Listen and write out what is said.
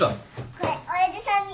これ親父さんに。